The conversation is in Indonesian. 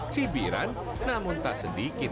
cibiran namun tak sedikit